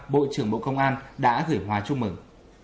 bộ trưởng bộ công an đã gửi hòa chúc mừng